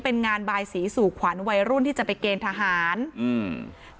เป็นงานบายสีสู่ขวัญวัยรุ่นที่จะไปเกณฑ์ทหารอืม